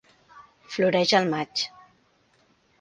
Floreix al maig.